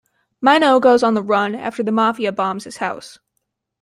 Minot goes on the run after the Mafia bombs his house.